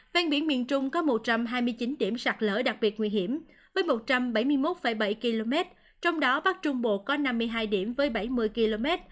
ven biển miền trung có một trăm hai mươi chín điểm sạt lỡ đặc biệt nguy hiểm với một trăm bảy mươi một bảy km trong đó bắc trung bộ có năm mươi hai điểm với bảy mươi km